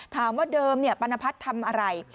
ถามว่าเดิมปัณภัฐทำอะไร